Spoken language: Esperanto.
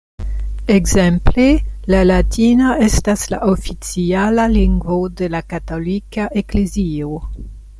Ekzemple la latina estas la oficiala lingvo de la katolika eklezio.